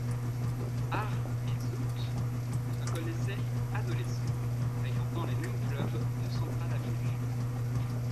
Art et Zoot se connaissaient adolescents, fréquentant les mêmes clubs de Central Avenue.